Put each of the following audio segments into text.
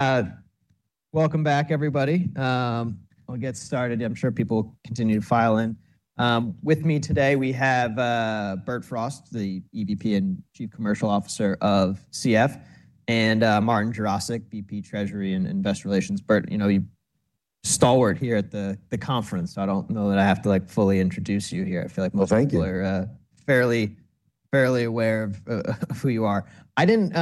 Welcome back, everybody. We'll get started. I'm sure people will continue to file in. With me today, we have Bert Frost, the EVP and Chief Commercial Officer of CF, and Martin Jarosick, VP Treasury and Investor Relations. Bert, you know, you're stalwart here at the conference, so I don't know that I have to, like, fully introduce you here. I feel like most people. Well, thank you. -are fairly aware of who you are. I didn't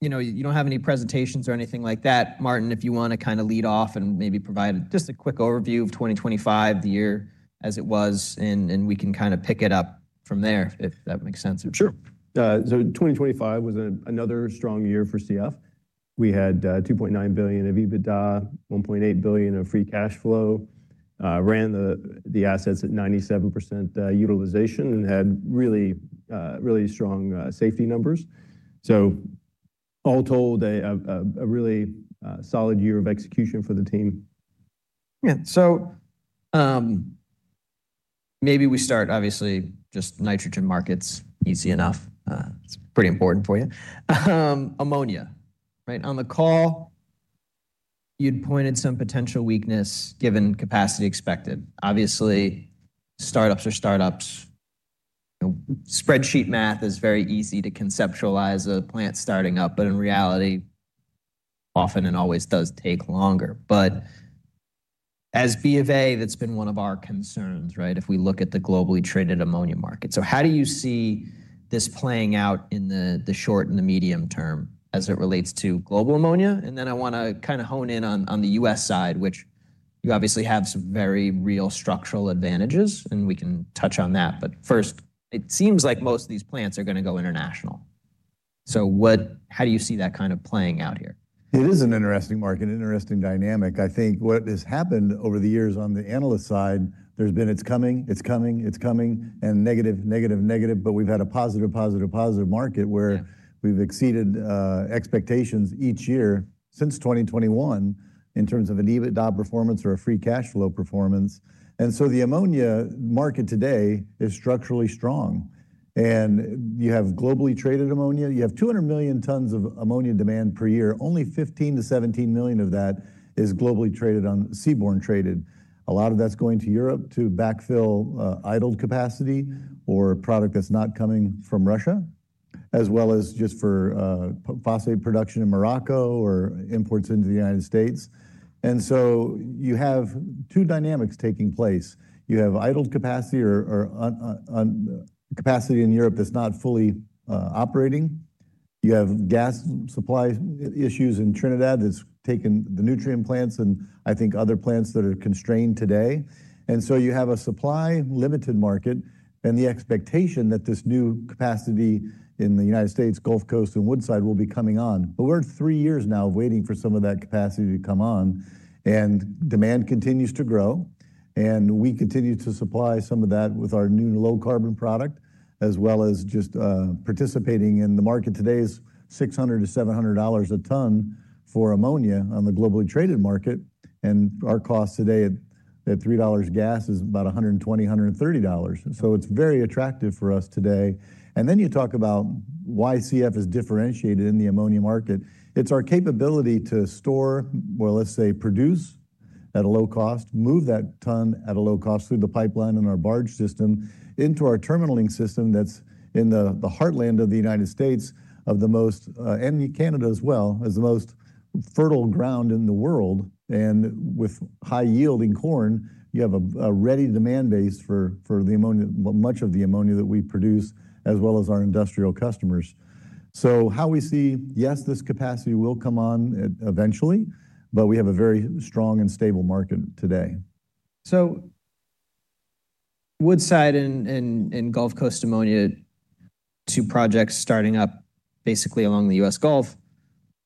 you know, you don't have any presentations or anything like that. Martin, if you want to kind of lead off and maybe provide just a quick overview of 2025, the year as it was, and we can kind of pick it up from there, if that makes sense. Sure. 2025 was another strong year for CF. We had $2.9 billion of EBITDA, $1.8 billion of free cash flow, ran the assets at 97% utilization, and had really strong safety numbers. All told, a really solid year of execution for the team. Yeah. Maybe we start, obviously, just nitrogen markets, easy enough. It's pretty important for you. Ammonia, right? On the call, you'd pointed some potential weakness given capacity expected. Obviously, startups are startups. You know, spreadsheet math is very easy to conceptualize a plant starting up, but in reality, often and always does take longer. As B of A, that's been one of our concerns, right? If we look at the globally traded ammonia market. How do you see this playing out in the short and the medium term as it relates to global ammonia? I wanna kind of hone in on the U.S. side, which you obviously have some very real structural advantages, and we can touch on that. First, it seems like most of these plants are gonna go international. How do you see that kind of playing out here? It is an interesting market, an interesting dynamic. I think what has happened over the years on the analyst side, there's been, "It's coming, it's coming, it's coming," and "Negative, negative." We've had a positive, positive market... Yeah... where we've exceeded expectations each year since 2021 in terms of an EBITDA performance or a free cash flow performance. The ammonia market today is structurally strong. You have globally traded ammonia. You have 200 million tons of ammonia demand per year. Only 15-17 million of that is globally seaborne traded. A lot of that's going to Europe to backfill idled capacity or product that's not coming from Russia, as well as just for phosphate production in Morocco or imports into the United States. You have two dynamics taking place. You have idled capacity or capacity in Europe that's not fully operating. You have gas supply issues in Trinidad that's taken the Nutrien plants and I think other plants that are constrained today. You have a supply-limited market and the expectation that this new capacity in the United States, Gulf Coast, and Woodside will be coming on. We're three years now waiting for some of that capacity to come on, and demand continues to grow, and we continue to supply some of that with our new low-carbon product, as well as just participating in the market. Today is $600-$700 a ton for ammonia on the globally traded market, and our costs today at $3 gas is about $120-$130. It's very attractive for us today. You talk about why CF is differentiated in the ammonia market. It's our capability to store, well, let's say, produce at a low cost, move that ton at a low cost through the pipeline and our barge system into our terminaling system that's in the heartland of the United States, and Canada as well, has the most fertile ground in the world, and with high-yielding corn, you have a ready demand base for the ammonia, much of the ammonia that we produce, as well as our industrial customers. How we see, yes, this capacity will come on eventually, but we have a very strong and stable market today. Woodside and Gulf Coast Ammonia, two projects starting up basically along the U.S. Gulf.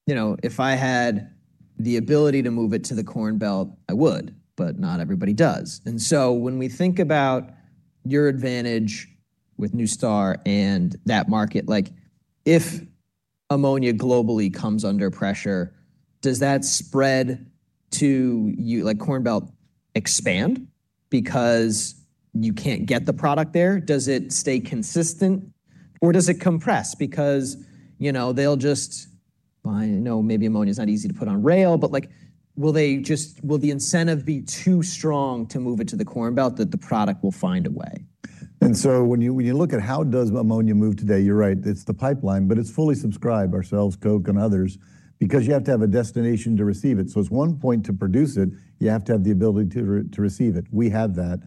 You know, if I had the ability to move it to the Corn Belt, I would, but not everybody does. When we think about your advantage with NuStar and that market, like, if ammonia globally comes under pressure, does that spread to you, like Corn Belt expand because you can't get the product there? Does it stay consistent or does it compress because, you know, they'll just buy... I know maybe ammonia is not easy to put on rail, but like, will the incentive be too strong to move it to the Corn Belt, that the product will find a way? When you, when you look at how does Ammonia move today, you're right, it's the pipeline, but it's fully subscribed, ourselves, Koch, and others, because you have to have a destination to receive it. It's one point to produce it, you have to have the ability to receive it. We have that.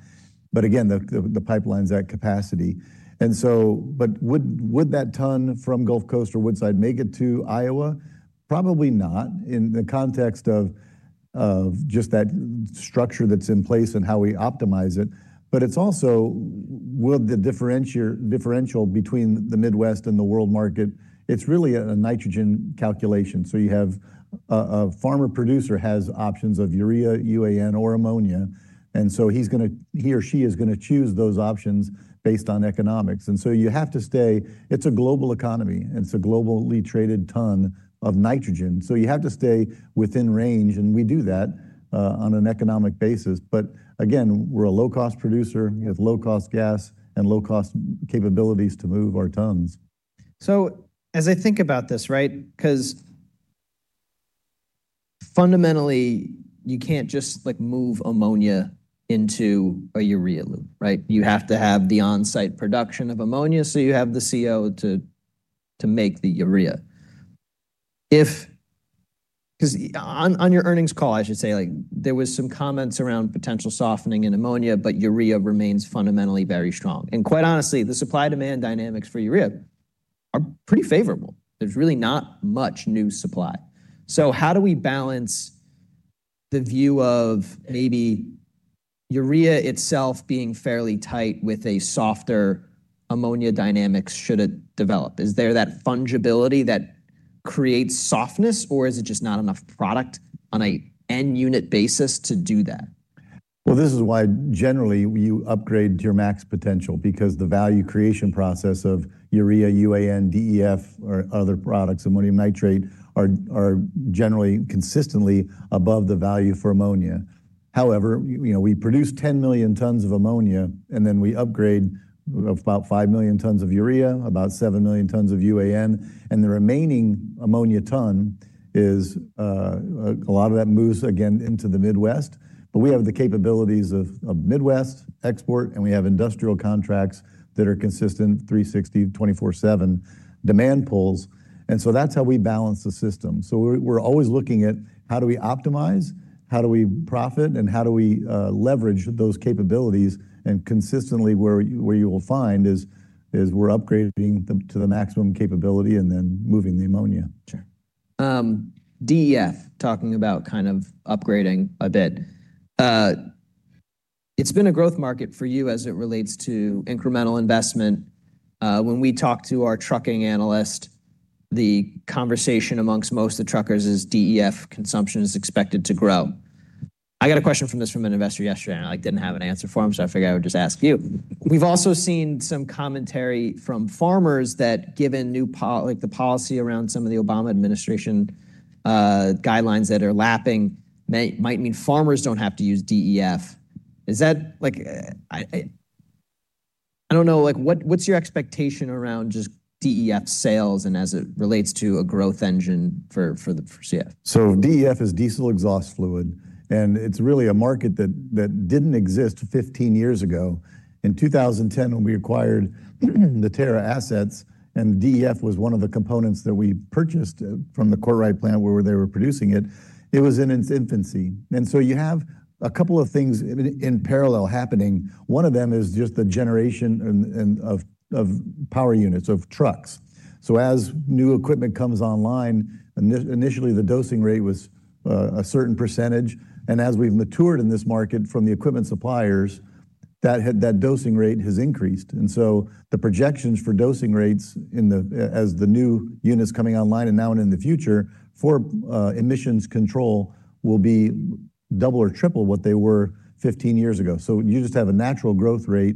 But again, the pipeline's at capacity. But would that ton from Gulf Coast or Woodside make it to Iowa? Probably not, in the context of just that structure that's in place and how we optimize it. But it's also, will the differential between the Midwest and the world market, it's really a nitrogen calculation. You have a farmer producer has options of Urea, UAN, or Ammonia, and he or she is gonna choose those options based on economics. It's a global economy, and it's a globally traded ton of Nitrogen, so you have to stay within range, and we do that on an economic basis. Again, we're a low-cost producer with low-cost gas and low-cost capabilities to move our tons. As I think about this, right, fundamentally, you can't just, like, move ammonia into a urea loop, right? You have to have the on-site production of ammonia, so you have the CO to make the urea. On your earnings call, I should say, like, there was some comments around potential softening in ammonia, but urea remains fundamentally very strong. Quite honestly, the supply-demand dynamics for urea are pretty favorable. There's really not much new supply. How do we balance the view of maybe urea itself being fairly tight with a softer ammonia dynamic should it develop? Is there that fungibility that creates softness, or is it just not enough product on a end unit basis to do that? This is why generally you upgrade to your max potential, because the value creation process of Urea, UAN, DEF or other products, Ammonium nitrate, are generally consistently above the value for Ammonia. You know, we produce 10 million tons of Ammonia, and then we upgrade about 5 million tons of Urea, about 7 million tons of UAN, and the remaining Ammonia ton is a lot of that moves again into the Midwest. We have the capabilities of Midwest export, and we have industrial contracts that are consistent, 360, 24/7 demand pulls. That's how we balance the system. We're always looking at how do we optimize, how do we profit, and how do we leverage those capabilities? Consistently, where you will find is we're upgrading them to the maximum capability and then moving the Ammonia. Sure. DEF, talking about kind of upgrading a bit. It's been a growth market for you as it relates to incremental investment. When we talk to our trucking analyst, the conversation amongst most of the truckers is DEF consumption is expected to grow. I got a question from this from an investor yesterday, and I didn't have an answer for him, so I figured I would just ask you. We've also seen some commentary from farmers that given new policy around some of the Obama administration guidelines that are lapping, might mean farmers don't have to use DEF. Is that, I don't know, what's your expectation around just DEF sales and as it relates to a growth engine for the CF? DEF is diesel exhaust fluid, and it's really a market that didn't exist 15 years ago. In 2010, when we acquired the Terra assets, DEF was one of the components that we purchased from the Courtright plant, where they were producing it was in its infancy. You have a couple of things in parallel happening. One of them is just the generation and of power units, of trucks. As new equipment comes online, initially, the dosing rate was a certain percentage. As we've matured in this market from the equipment suppliers, that dosing rate has increased. The projections for dosing rates as the new units coming online and now and in the future for emissions control will be double or triple what they were 15 years ago. You just have a natural growth rate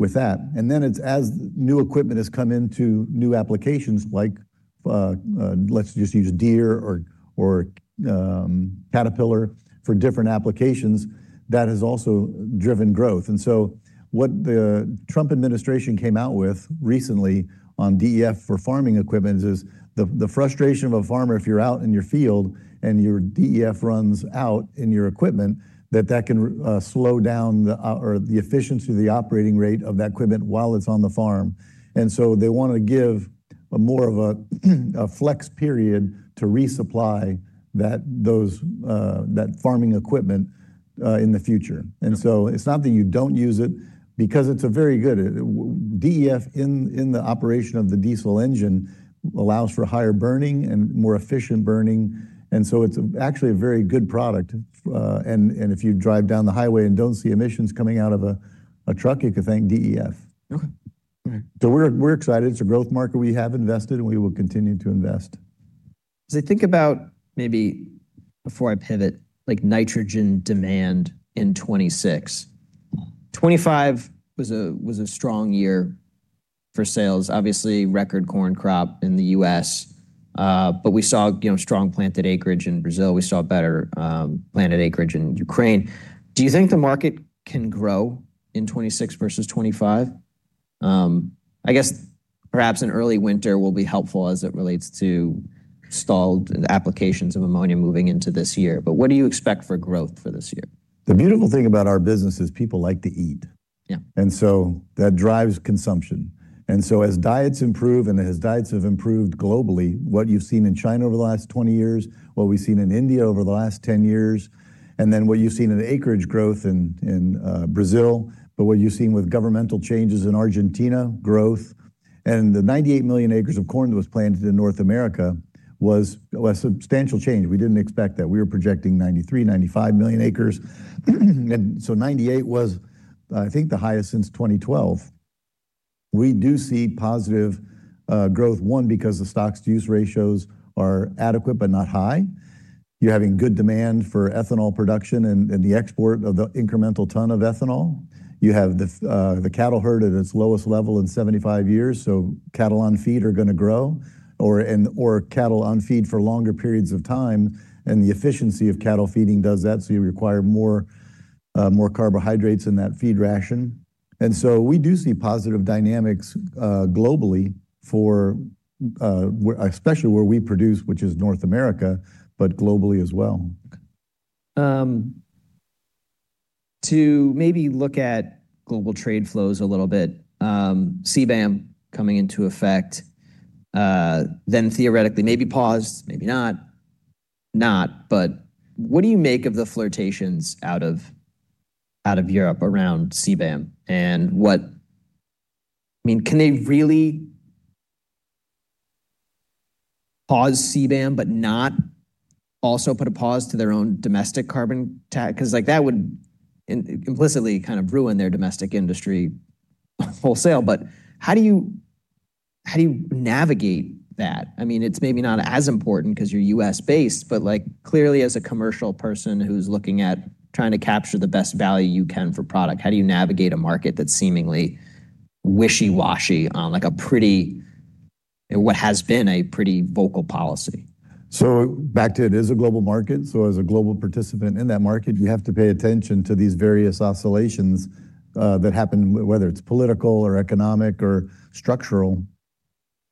with that. Then it's as new equipment has come into new applications like, let's just use Deere or Caterpillar for different applications, that has also driven growth. What the Trump administration came out with recently on DEF for farming equipment is the frustration of a farmer if you're out in your field and your DEF runs out in your equipment, that can slow down the or the efficiency of the operating rate of that equipment while it's on the farm. They want to give a more of a flex period to resupply that farming equipment in the future. Yeah. It's not that you don't use it, because it's a very good DEF in the operation of the diesel engine allows for higher burning and more efficient burning. It's actually a very good product. If you drive down the highway and don't see emissions coming out of a truck, you can thank DEF. Okay. All right. We're excited. It's a growth market. We have invested, and we will continue to invest. As I think about maybe before I pivot, like nitrogen demand in 2026, 2025 was a strong year for sales. Obviously, record corn crop in the U.S., we saw, you know, strong planted acreage in Brazil. We saw better, planted acreage in Ukraine. Do you think the market can grow in 2026 versus 2025? I guess perhaps an early winter will be helpful as it relates to stalled applications of ammonia moving into this year. What do you expect for growth for this year? The beautiful thing about our business is people like to eat. Yeah. That drives consumption. As diets improve and as diets have improved globally, what you've seen in China over the last 20 years, what we've seen in India over the last 10 years, then what you've seen in acreage growth in Brazil, but what you've seen with governmental changes in Argentina, growth. The 98 million acres of corn that was planted in North America was a substantial change. We didn't expect that. We were projecting 93-95 million acres. 98 was, I think, the highest since 2012. We do see positive growth. One, because the stocks-to-use ratios are adequate but not high. You're having good demand for ethanol production and the export of the incremental ton of ethanol. You have the the cattle herd at its lowest level in 75 years, so cattle on feed are gonna grow, or cattle on feed for longer periods of time, and the efficiency of cattle feeding does that, so you require more more carbohydrates in that feed ration. We do see positive dynamics, globally for, where especially where we produce, which is North America, but globally as well. To maybe look at global trade flows a little bit, CBAM coming into effect, then theoretically, maybe paused, maybe not? What do you make of the flirtations out of Europe around CBAM? I mean, can they really pause CBAM, but not also put a pause to their own domestic carbon tax? Because, like, that would implicitly kind of ruin their domestic industry wholesale? How do you navigate that? I mean, it's maybe not as important because you're U.S.-based, but like, clearly, as a commercial person who's looking at trying to capture the best value you can for product, how do you navigate a market that's seemingly wishy-washy on, like, a pretty What has been a pretty vocal policy? Back to it is a global market. As a global participant in that market, you have to pay attention to these various oscillations that happen, whether it's political or economic or structural,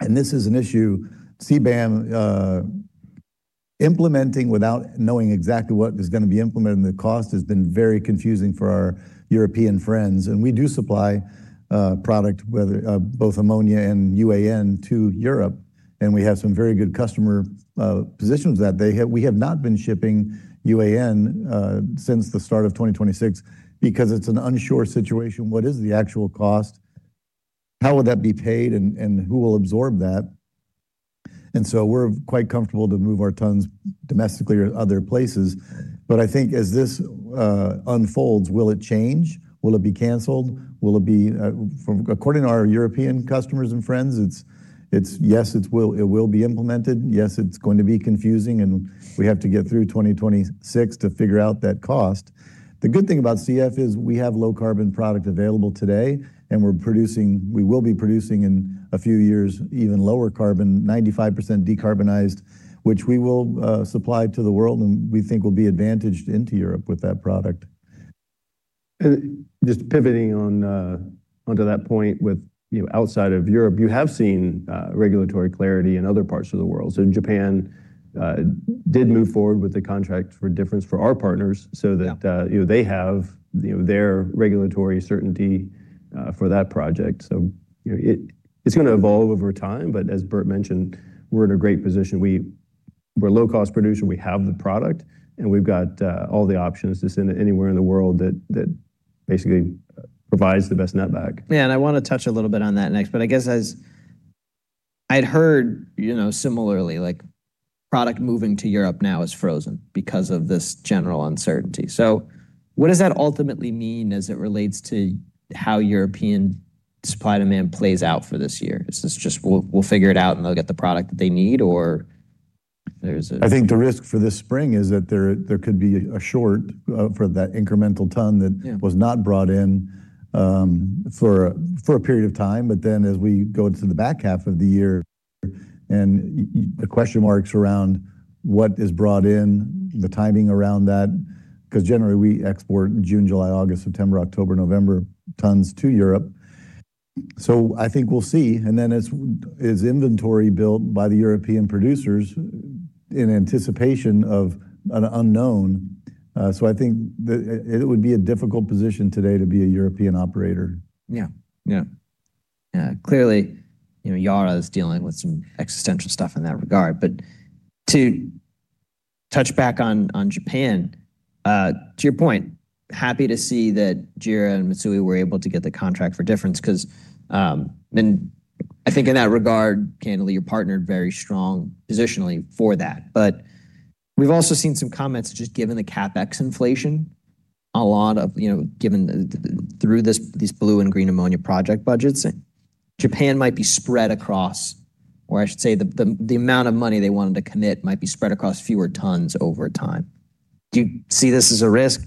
and this is an issue. CBAM implementing without knowing exactly what is going to be implemented and the cost has been very confusing for our European friends. We do supply product, whether both Ammonia and UAN to Europe, and we have some very good customer positions. We have not been shipping UAN since the start of 2026 because it's an unsure situation. What is the actual cost? How would that be paid, and who will absorb that? We're quite comfortable to move our tons domestically or other places. I think as this unfolds, will it change? Will it be canceled? Will it be... According to our European customers and friends, it's, yes, it will be implemented. Yes, it's going to be confusing, and we have to get through 2026 to figure out that cost. The good thing about CF is we have low-carbon product available today, and we will be producing in a few years, even lower carbon, 95% decarbonized, which we will supply to the world and we think will be advantaged into Europe with that product. Just pivoting on, onto that point with, you know, outside of Europe, you have seen, regulatory clarity in other parts of the world. Japan did move forward with the Contract for Difference for our partners. Yeah. so that, you know, they have, you know, their regulatory certainty for that project. You know, it's gonna evolve over time, but as Bert mentioned, we're in a great position. We're a low-cost producer, we have the product, and we've got all the options to send anywhere in the world that basically provides the best netback. Yeah, I wanna touch a little bit on that next. I guess as I'd heard, you know, similarly, like, product moving to Europe now is frozen because of this general uncertainty. What does that ultimately mean as it relates to how European supply and demand plays out for this year? Is this just, "We'll figure it out, and they'll get the product that they need," or there's a- I think the risk for this spring is that there could be a short, for that incremental ton. Yeah... was not brought in for a period of time. As we go to the back half of the year and the question marks around what is brought in, the timing around that, because generally we export June, July, August, September, October, November tons to Europe. I think we'll see. As inventory built by the European producers in anticipation of an unknown. I think that it would be a difficult position today to be a European operator. Yeah. Yeah. Yeah, clearly, you know, Yara is dealing with some existential stuff in that regard. To touch back on Japan, to your point, happy to see that JERA and Mitsui were able to get the Contract for Difference because, and I think in that regard, candidly, you're partnered very strong positionally for that. We've also seen some comments, just given the CapEx inflation, a lot of, you know, given through this, these blue and green ammonia project budgets, Japan might be spread across, or I should say, the amount of money they wanted to commit might be spread across fewer tons over time. Do you see this as a risk?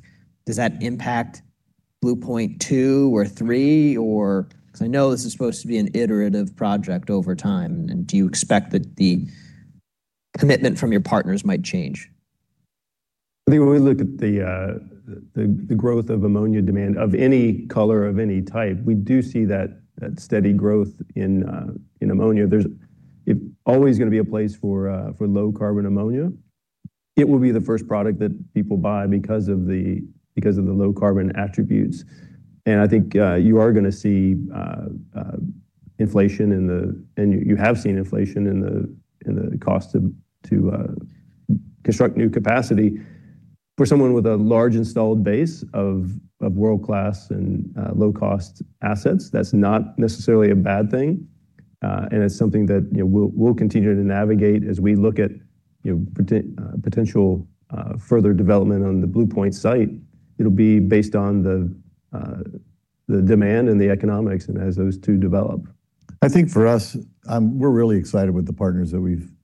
Does that impact Blue Point two or three, or... I know this is supposed to be an iterative project over time, and do you expect that the commitment from your partners might change? I think when we look at the growth of ammonia demand, of any color, of any type, we do see that steady growth in ammonia. It always gonna be a place for low-carbon ammonia. It will be the first product that people buy because of the low-carbon attributes. I think you are gonna see inflation in the, and you have seen inflation in the cost of to construct new capacity. For someone with a large installed base of world-class and low-cost assets, that's not necessarily a bad thing, and it's something that, you know, we'll continue to navigate as we look at, you know, potential further development on the Blue Point site. It'll be based on the demand and the economics and as those two develop. I think for us, we're really excited with the partners that.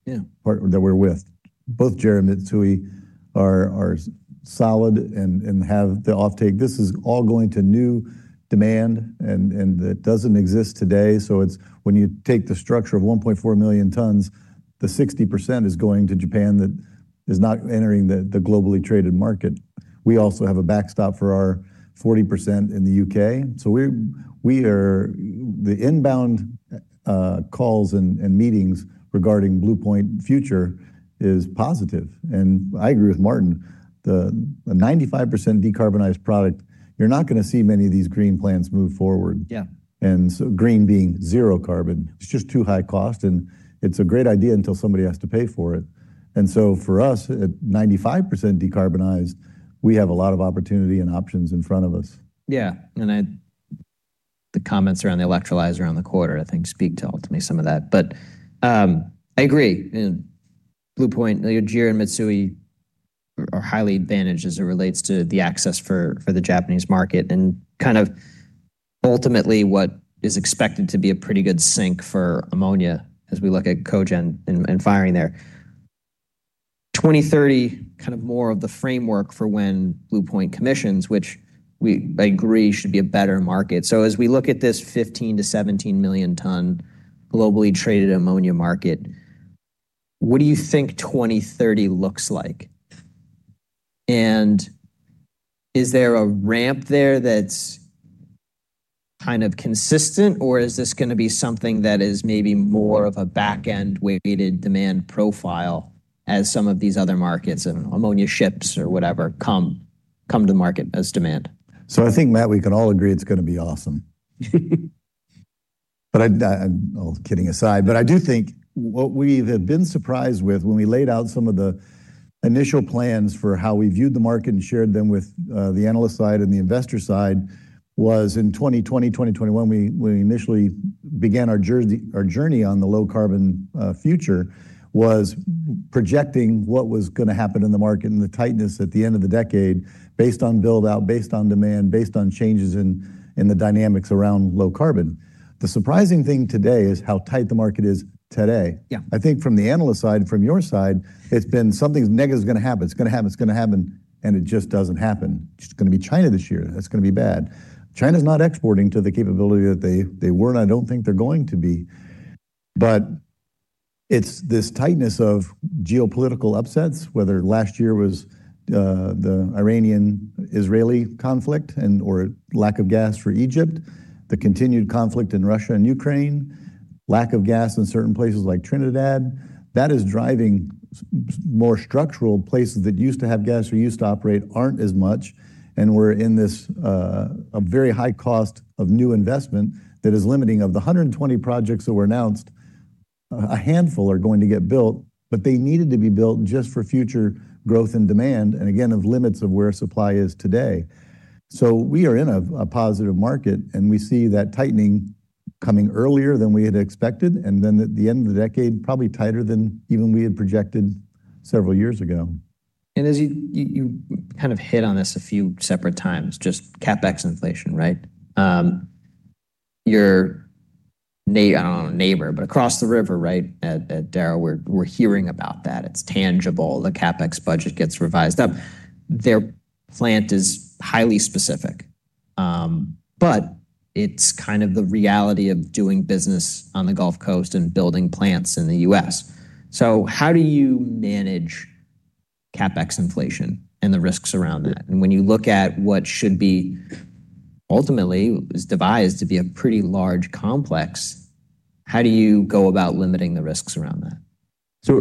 Yeah partner that we're with. Both JERA and Mitsui are solid and have the offtake. This is all going to new demand and that doesn't exist today. When you take the structure of 1.4 million tons, the 60% is going to Japan, that is not entering the globally traded market. We also have a backstop for our 40% in the U.K. We are the inbound calls and meetings regarding BluePoint future is positive. I agree with Martin, the 95% decarbonized product, you're not gonna see many of these green plants move forward. Yeah. Green being zero carbon, it's just too high cost, and it's a great idea until somebody has to pay for it. For us, at 95% decarbonized, we have a lot of opportunity and options in front of us. Yeah, and the comments around the electrolyzer around the quarter, I think, speak to ultimately some of that. I agree. BluePoint, JERA and Mitsui are highly advantaged as it relates to the access for the Japanese market and kind of ultimately what is expected to be a pretty good sync for ammonia as we look at Cogeneration and firing there. 2030, kind of more of the framework for when BluePoint commissions, which I agree, should be a better market. As we look at this 15 million-17 million ton globally traded ammonia market, what do you think 2030 looks like? Is there a ramp there that's kind of consistent, or is this going to be something that is maybe more of a back-end weighted demand profile as some of these other markets and ammonia ships or whatever, come to market as demand? I think, Matt, we can all agree it's gonna be awesome. All kidding aside, but I do think what we have been surprised with when we laid out some of the initial plans for how we viewed the market and shared them with the analyst side and the investor side, was in 2020, 2021, we initially began our journey on the low-carbon future, was projecting what was gonna happen in the market and the tightness at the end of the decade based on build-out, based on demand, based on changes in the dynamics around low-carbon. The surprising thing today is how tight the market is today. Yeah. I think from the analyst side, from your side, it's been something negative is going to happen. It's going to happen, it's going to happen, it just doesn't happen. It's going to be China this year. That's going to be bad. China's not exporting to the capability that they were, I don't think they're going to be. It's this tightness of geopolitical upsets, whether last year was the Iranian-Israeli conflict or lack of gas for Egypt, the continued conflict in Russia and Ukraine, lack of gas in certain places like Trinidad, that is driving more structural places that used to have gas or used to operate aren't as much, we're in this a very high cost of new investment that is limiting. Of the 120 projects that were announced, a handful are going to get built, but they needed to be built just for future growth and demand, and again, of limits of where supply is today. We are in a positive market, and we see that tightening coming earlier than we had expected, and then at the end of the decade, probably tighter than even we had projected several years ago. As you kind of hit on this a few separate times, just CapEx inflation, right? Your I don't know, neighbor, but across the river, right, at Donaldsonville, we're hearing about that. It's tangible. The CapEx budget gets revised up. Their plant is highly specific, but it's kind of the reality of doing business on the Gulf Coast and building plants in the U.S. How do you manage CapEx inflation and the risks around that? When you look at what should be ultimately, is devised to be a pretty large complex, how do you go about limiting the risks around that?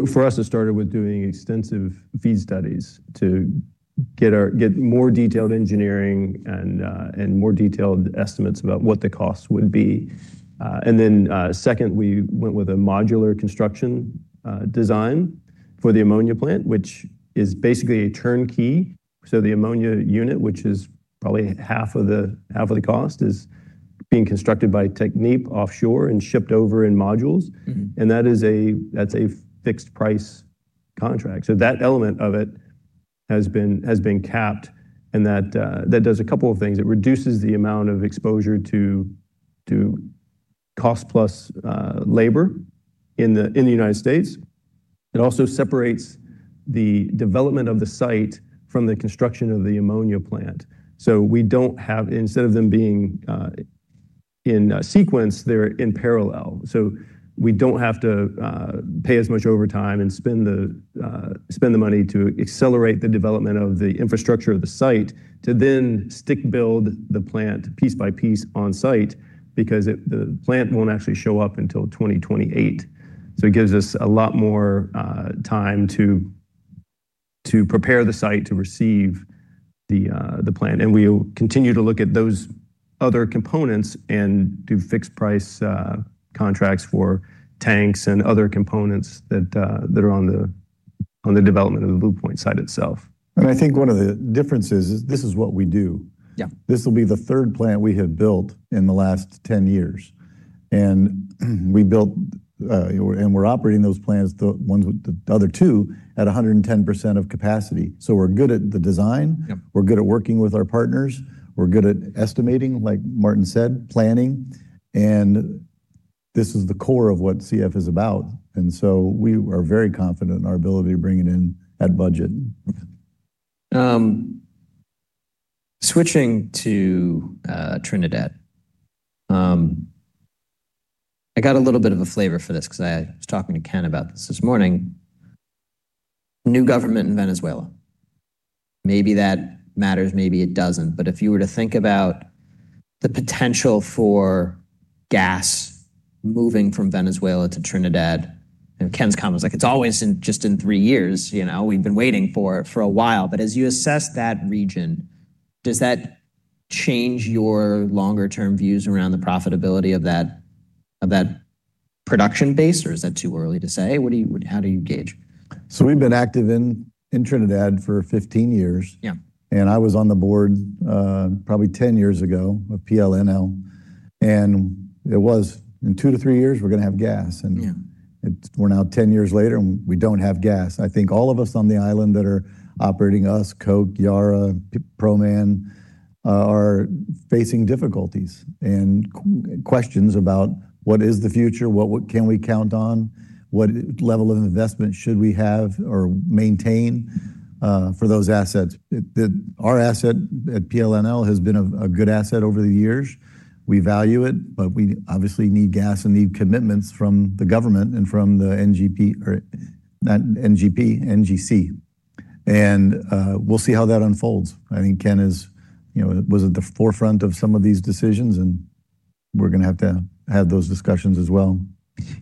For us, it started with doing extensive FEED studies to get more detailed engineering and more detailed estimates about what the cost would be. Then, second, we went with a modular construction design for the ammonia plant, which is basically a turnkey. The ammonia unit, which is probably half of the cost, is being constructed by Technip Energies and shipped over in modules. Mm-hmm. That is a fixed price contract. That element of it has been capped, and that does a couple of things. It reduces the amount of exposure to cost plus labor in the United States. It also separates the development of the site from the construction of the ammonia plant. We don't have instead of them being in a sequence, they're in parallel. We don't have to pay as much overtime and spend the money to accelerate the development of the infrastructure of the site, to then stick build the plant piece by piece on-site, because the plant won't actually show up until 2028. It gives us a lot more time to prepare the site to receive the plant. We'll continue to look at those other components and do fixed price contracts for tanks and other components that are on the development of the BluePoint site itself. I think one of the differences is this is what we do. Yeah. This will be the third plant we have built in the last 10 years, and we built and we're operating those plants, the other two, at 110% of capacity. We're good at the design-. Yep. We're good at working with our partners, we're good at estimating, like Martin said, planning, and this is the core of what CF is about. We are very confident in our ability to bring it in at budget. Switching to Trinidad. I got a little bit of a flavor for this, 'cause I was talking to Ken about this this morning. New government in Venezuela, maybe that matters, maybe it doesn't. If you were to think about the potential for gas moving from Venezuela to Trinidad, and Ken's comment was like, "It's always in just in three years, you know? We've been waiting for it for a while." As you assess that region, does that change your longer term views around the profitability of that production base, or is that too early to say? How do you gauge? We've been active in Trinidad for 15 years. Yeah. I was on the board, probably 10 years ago, of PPL, and it was, "In two to three years, we're gonna have gas. Yeah. We're now 10 years later, and we don't have gas. I think all of us on the island that are operating, us, Koch, Yara, Proman, are facing difficulties and questions about what is the future, what can we count on? What level of investment should we have or maintain for those assets? Our asset at PPL has been a good asset over the years. We value it, we obviously need gas and need commitments from the government and from the NGC... or not NGC. We'll see how that unfolds. I think Ken is, you know, was at the forefront of some of these decisions, we're gonna have to have those discussions as well.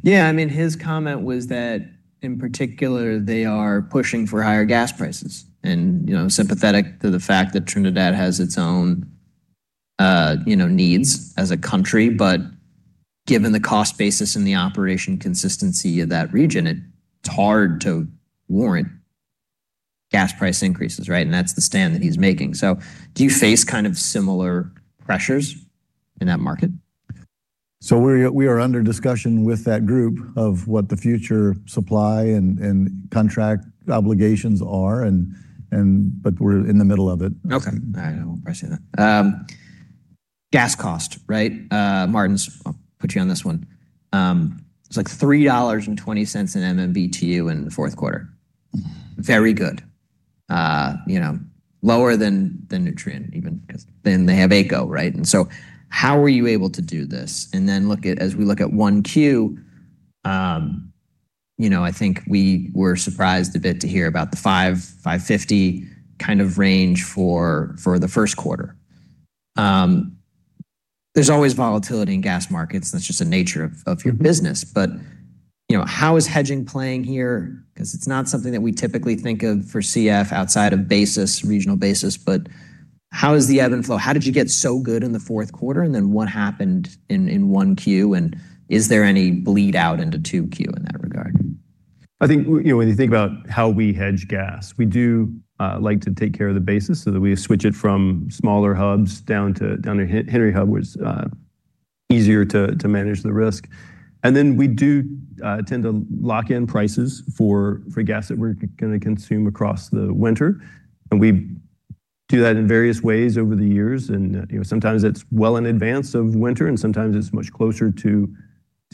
Yeah, I mean, his comment was that, in particular, they are pushing for higher gas prices. You know, I'm sympathetic to the fact that Trinidad has its own, you know, needs as a country, but given the cost basis and the operation consistency of that region, it's hard to warrant gas price increases, right? That's the stand that he's making. Do you face kind of similar pressures in that market? We are under discussion with that group of what the future supply and contract obligations are, we're in the middle of it. Okay. I appreciate that. Gas cost, right? Martin, I'll put you on this one. It's like $3.20 in MMBtu in the fourth quarter. Very good. You know, lower than Nutrien, even because then they have ACO, right? How were you able to do this? As we look at 1Q, you know, I think we were surprised a bit to hear about the $5.00-$5.50 kind of range for the first quarter. There's always volatility in gas markets. That's just the nature of your business. You know, how is hedging playing here? 'Cause it's not something that we typically think of for CF outside of basis, regional basis, but how is the ebb and flow? How did you get so good in the fourth quarter, and then what happened in 1Q, and is there any bleed out into 2Q in that regard? I think, you know, when you think about how we hedge gas, we do like to take care of the basis so that we switch it from smaller hubs down to Henry Hub, where it's easier to manage the risk. We do tend to lock in prices for gas that we're gonna consume across the winter, and we do that in various ways over the years. You know, sometimes it's well in advance of winter, and sometimes it's much closer to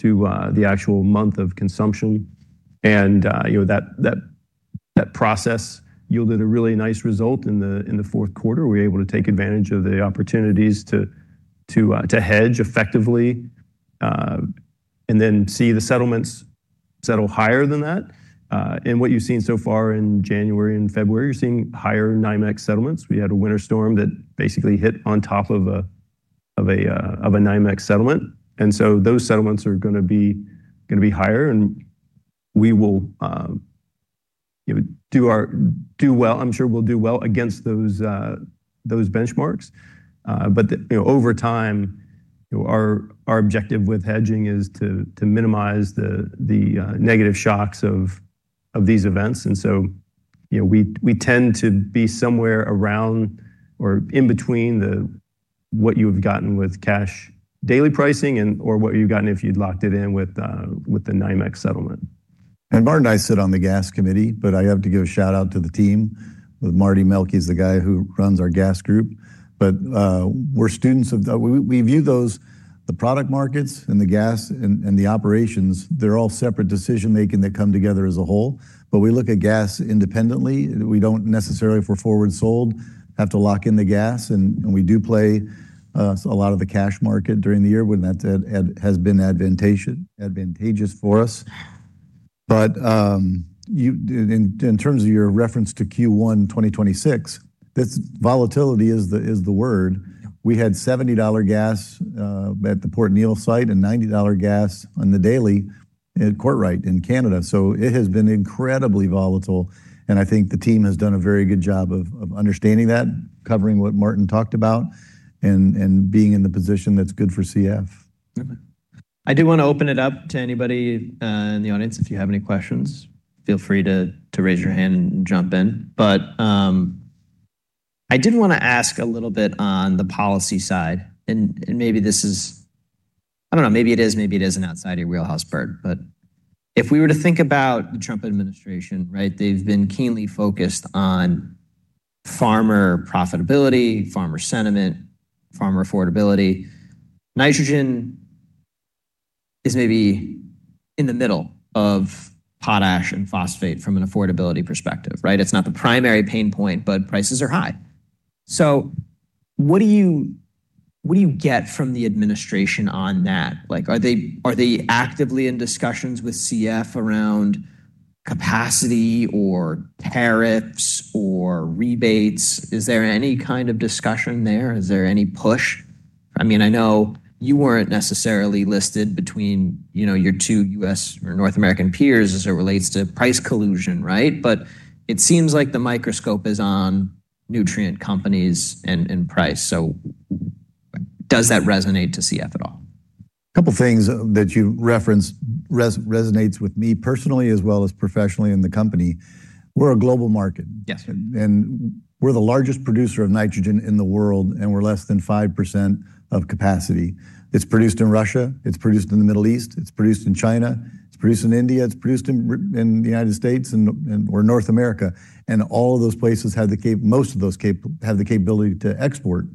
the actual month of consumption. You know, that process yielded a really nice result in the fourth quarter. We were able to take advantage of the opportunities to hedge effectively, see the settlements settle higher than that. What you've seen so far in January and February, you're seeing higher NYMEX settlements. We had a winter storm that basically hit on top of a NYMEX settlement, those settlements are gonna be higher, we will, you know, do well. I'm sure we'll do well against those benchmarks. You know, over time, you know, our objective with hedging is to minimize the negative shocks of these events. You know, we tend to be somewhere around or in between what you've gotten with cash daily pricing and/or what you've gotten if you'd locked it in with the NYMEX settlement. Martin and I sit on the gas committee. I have to give a shout-out to the team, with Marty Melki's the guy who runs our gas group. We're students of the, we view those, the product markets and the gas and the operations, they're all separate decision-making that come together as a whole. We look at gas independently. We don't necessarily, if we're forward sold, have to lock in the gas, and we do play a lot of the cash market during the year when that has been advantageous for us. In terms of your reference to Q1 2026, this volatility is the word. We had $70 gas at the Port Neal site and $90 gas on the daily at Courtright in Canada. It has been incredibly volatile, and I think the team has done a very good job of understanding that, covering what Martin talked about, and being in the position that's good for CF. Okay. I do want to open it up to anybody in the audience. If you have any questions, feel free to raise your hand and jump in. I did wanna ask a little bit on the policy side, and maybe this is, I don't know, maybe it is, maybe it isn't outside your wheelhouse, Bert, but if we were to think about the Trump administration, right, they've been keenly focused on farmer profitability, farmer sentiment, farmer affordability. Nitrogen is maybe in the middle of potash and phosphate from an affordability perspective, right? It's not the primary pain point, but prices are high. What do you get from the administration on that? Like, are they actively in discussions with CF around capacity or tariffs or rebates? Is there any kind of discussion there? Is there any push? I mean, I know you weren't necessarily listed between, you know, your two U.S. or North American peers as it relates to price collusion, right? It seems like the microscope is on Nutrien companies and price. Does that resonate to CF at all? A couple of things that you referenced resonates with me personally, as well as professionally in the company. We're a global market. Yes. We're the largest producer of nitrogen in the world, and we're less than 5% of capacity. It's produced in Russia, it's produced in the Middle East, it's produced in China, it's produced in India, it's produced in the United States or North America, and all of those places most of those have the capability to export.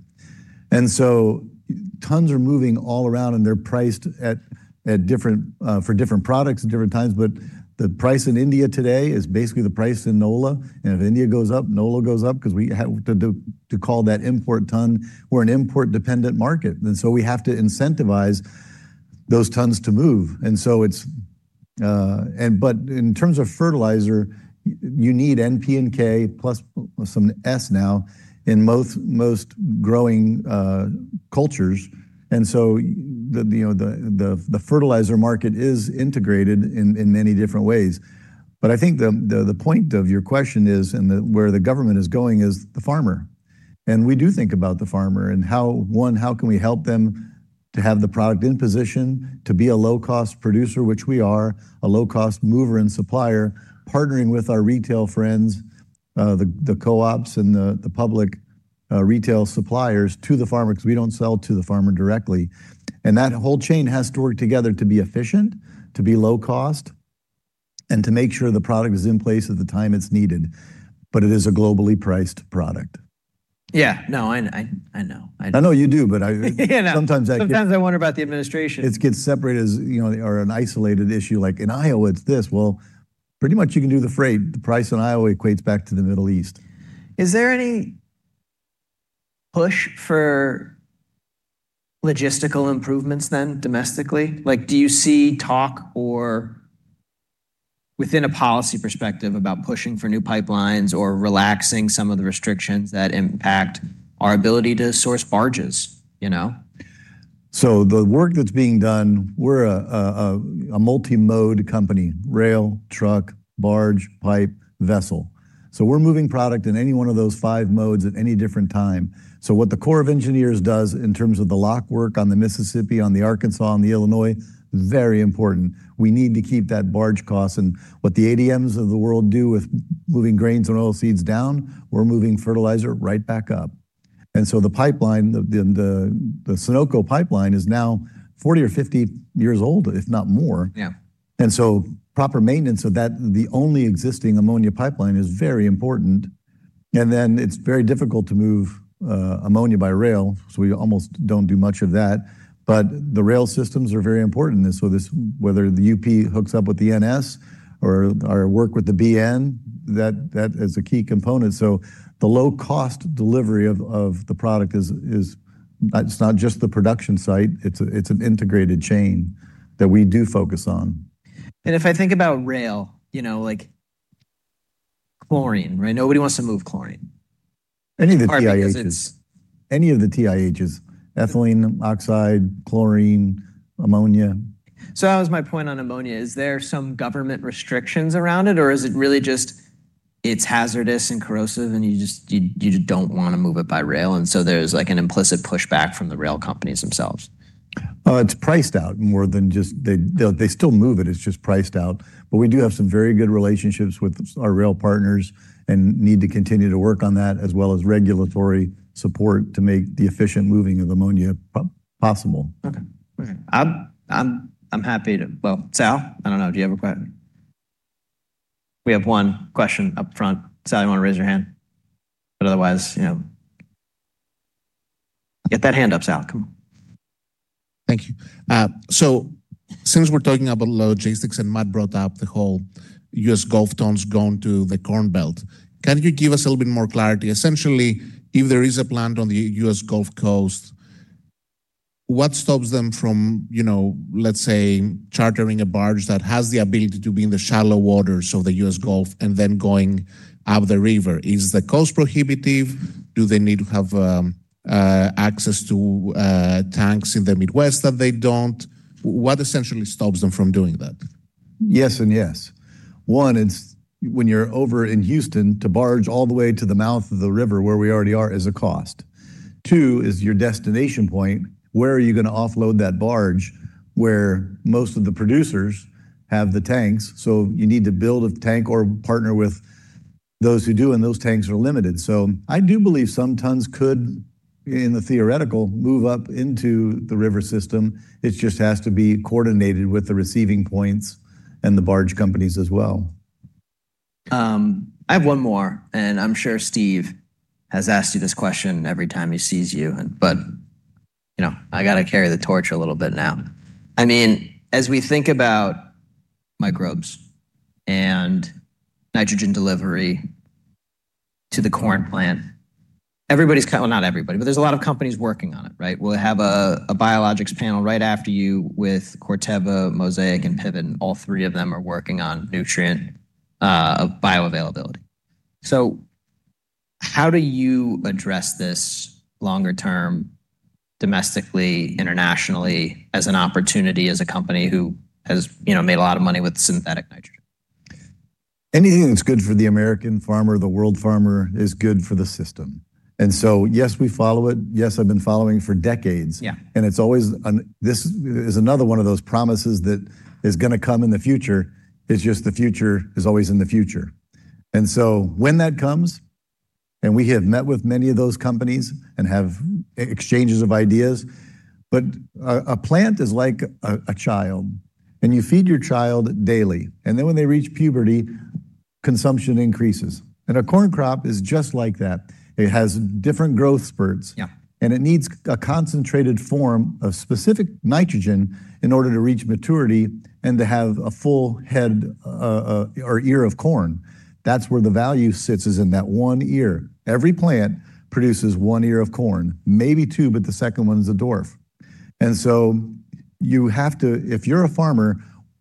Tons are moving all around, and they're priced at different for different products at different times. But the price in India today is basically the price in NOLA. If India goes up, NOLA goes up because we have to call that import ton. We're an import-dependent market, and so we have to incentivize those tons to move. It's. But in terms of fertilizer, you need N, P, and K, plus some S now in most growing cultures. The, you know, the fertilizer market is integrated in many different ways. I think the point of your question is, and the where the government is going, is the farmer. We do think about the farmer and how can we help them to have the product in position to be a low-cost producer, which we are, a low-cost mover and supplier, partnering with our retail friends, the co-ops and the public retail suppliers to the farmer, because we don't sell to the farmer directly. That whole chain has to work together to be efficient, to be low cost, and to make sure the product is in place at the time it's needed. It is a globally priced product. Yeah. No, I, I know. I know. I know you do, but I- Yeah sometimes. Sometimes I wonder about the administration. It gets separated as, you know, or an isolated issue, like in Iowa, it's this. Pretty much you can do the freight. The price in Iowa equates back to the Middle East. Is there any push for logistical improvements then domestically? Like, do you see talk or within a policy perspective about pushing for new pipelines or relaxing some of the restrictions that impact our ability to source barges, you know? The work that's being done, we're a multi-mode company: rail, truck, barge, pipe, vessel. We're moving product in any one of those five modes at any different time. What the Corps of Engineers does in terms of the lock work on the Mississippi, on the Arkansas, on the Illinois, very important. We need to keep that barge cost and what the ADMs of the world do with moving grains and oilseeds down, we're moving fertilizer right back up. The pipeline, the Sunoco pipeline is now 40 or 50 years old, if not more. Yeah. Proper maintenance of that, the only existing ammonia pipeline, is very important. It's very difficult to move ammonia by rail, so we almost don't do much of that. The rail systems are very important in this. This, whether the UP hooks up with the NS or work with the BN, that is a key component. The low-cost delivery of the product is. It's not just the production site, it's an integrated chain that we do focus on. If I think about rail, you know, like chlorine, right? Nobody wants to move chlorine. Any of the TIH- Partly because it's. Any of the TIH, ethylene oxide, chlorine, ammonia. That was my point on ammonia. Is there some government restrictions around it, or is it really just it's hazardous and corrosive, and you just don't want to move it by rail, and so there's, like, an implicit pushback from the rail companies themselves? It's priced out more than. They still move it's just priced out. We do have some very good relationships with our rail partners and need to continue to work on that, as well as regulatory support to make the efficient moving of Ammonia possible. Okay. I'm happy to... Well, Sal, I don't know. We have one question up front. Sal, you want to raise your hand? Otherwise, you know... Get that hand up, Sal. Come on. Thank you. Since we're talking about logistics, and Matt brought up the whole U.S. Gulf tones going to the Corn Belt, can you give us a little bit more clarity? Essentially, if there is a plant on the U.S. Gulf Coast, what stops them from, you know, let's say, chartering a barge that has the ability to be in the shallow waters of the U.S. Gulf and then going up the river? Is the cost prohibitive? Do they need to have access to tanks in the Midwest that they don't? What essentially stops them from doing that? Yes and yes. One, it's when you're over in Houston, to barge all the way to the mouth of the river, where we already are, is a cost. Two, is your destination point. Where are you going to offload that barge, where most of the producers have the tanks? You need to build a tank or partner with those who do, and those tanks are limited. I do believe some tons could, in the theoretical, move up into the river system. It just has to be coordinated with the receiving points and the barge companies as well. I have one more, I'm sure Steve has asked you this question every time he sees you know, I gotta carry the torch a little bit now. I mean, as we think about microbes and Nitrogen delivery to the corn plant, everybody's well, not everybody, but there's a lot of companies working on it, right? We'll have a biologics panel right after you with Corteva, Mosaic, and Pivot, and all three of them are working on nutrient bioavailability. How do you address this longer term, domestically, internationally, as an opportunity, as a company who has, you know, made a lot of money with synthetic Nitrogen? Anything that's good for the American farmer, the world farmer, is good for the system. Yes, we follow it. Yes, I've been following for decades. Yeah. This is another one of those promises that is going to come in the future, it's just the future is always in the future. When that comes, we have met with many of those companies and have exchanges of ideas. A plant is like a child, and you feed your child daily, and then when they reach puberty, consumption increases. A corn crop is just like that. It has different growth spurts- Yeah... and it needs a concentrated form of specific nitrogen in order to reach maturity and to have a full head, or ear of corn. That's where the value sits, is in that one ear. Every plant produces one ear of corn, maybe two, but the second one is a dwarf. If you're a farmer,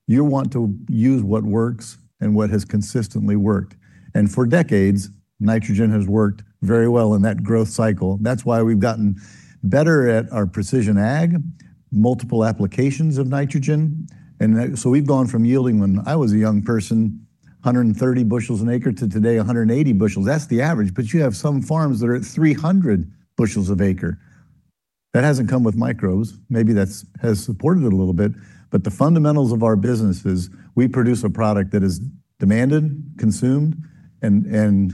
you want to use what works and what has consistently worked. For decades, nitrogen has worked very well in that growth cycle. That's why we've gotten better at our Precision agriculture, multiple applications of nitrogen, so we've gone from yielding, when I was a young person, 130 bushels an acre to today, 180 bushels. That's the average, but you have some farms that are at 300 bushels of acre. That hasn't come with microbes. Maybe that's has supported it a little bit, the fundamentals of our business is, we produce a product that is demanded, consumed, and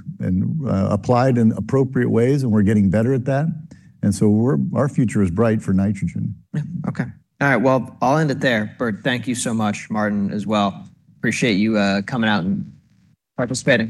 applied in appropriate ways, and we're getting better at that, our future is bright for nitrogen. Yeah. Okay. All right, well, I'll end it there. Bert, thank you so much, Martin, as well. Appreciate you, coming out and participating.